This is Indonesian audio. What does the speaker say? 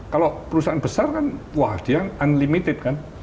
kalau perusahaan besar kan wah dia unlimited kan